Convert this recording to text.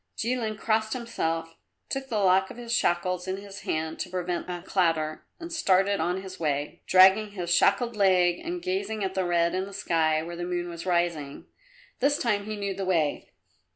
Jilin crossed himself, took the lock of his shackles in his hand to prevent a clatter and started on his way, dragging his shackled leg and gazing at the red in the sky where the moon was rising. This time he knew the way.